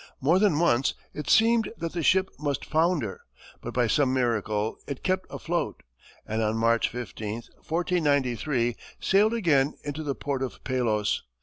More than once it seemed that the ship must founder, but by some miracle it kept afloat, and on March 15, 1493, sailed again into the port of Palos.